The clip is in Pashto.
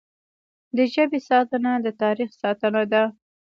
د ژبې ساتنه د تاریخ ساتنه ده.